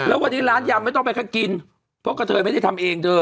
แล้ววันนี้ร้านยำไม่ต้องไปกินเพราะกระเทยไม่ได้ทำเองเธอ